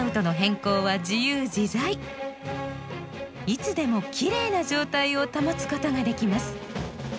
いつでもきれいな状態を保つことができます。